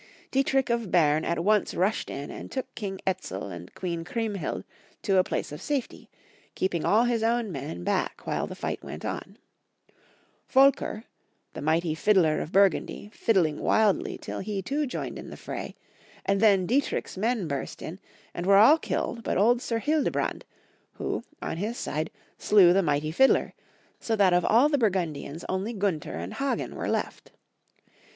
Dietrich of Berne at once rushed in and took King Etzel and Queen Chriemhild to a place of safety, keeping all his own men back wliile the fight went on — Folker, the mighty fiddler of Bur gundy, fiddling wildly till he too joined in the fray, and then Dietrich's men burst in, and were all killed but old Sir Hildebrand, who, on his side, slew the mighty fiddler, so that of all the Burgun dians only Gunther and Haghen were left.